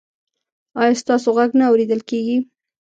ایا ستاسو غږ نه اوریدل کیږي؟